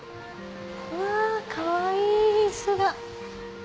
わぁかわいい椅子が。